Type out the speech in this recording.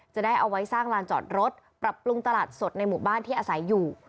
จะได้เอาไว้สร้างลานจอดรถปรับปรุงตลาดสดในหมู่บ้านที่อาศัยอยู่